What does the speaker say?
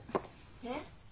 えっ？